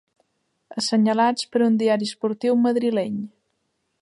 Assenyalats per un diari esportiu madrileny.